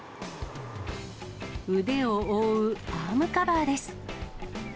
腕を覆うアームカバーです。